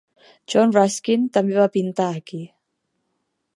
John Ruskin també va pintar aquí.